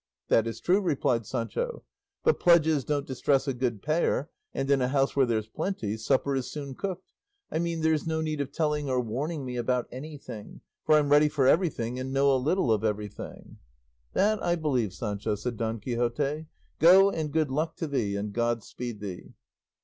"That is true," replied Sancho; "but pledges don't distress a good payer, and in a house where there's plenty supper is soon cooked; I mean there's no need of telling or warning me about anything; for I'm ready for everything and know a little of everything." "That I believe, Sancho," said Don Quixote; "go and good luck to thee, and God speed thee."